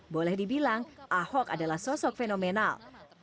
boleh dibilang ahok adalah sosok fenomenal